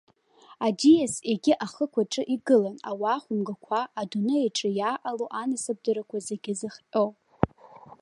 Аӡиас егьи ахықә аҿы игылан ауаа хәымгақәа, адуне аҿы иааҟало анасыԥдарақәа зегьы зыхҟьо.